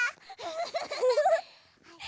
フフフッ！